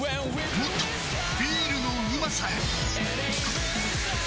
もっとビールのうまさへ！